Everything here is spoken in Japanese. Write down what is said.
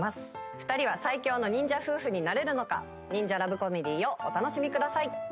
２人は最強の忍者夫婦になれるのか⁉忍者ラブコメディーをお楽しみください。